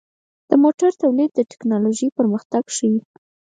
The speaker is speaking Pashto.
د موټرو تولید د ټکنالوژۍ پرمختګ ښيي.